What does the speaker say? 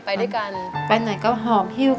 ทั้งในเรื่องของการทำงานเคยทำนานแล้วเกิดปัญหาน้อย